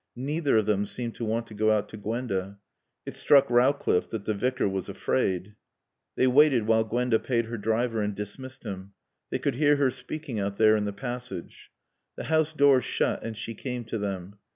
Neither of them seemed to want to go out to Gwenda. It struck Rowcliffe that the Vicar was afraid. They waited while Gwenda paid her driver and dismissed him. They could hear her speaking out there in the passage. The house door shut and she came to them.